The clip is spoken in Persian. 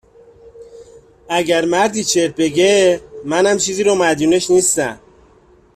اگر مردی چرت بگه، منم چیزی رو مدیونش نیستم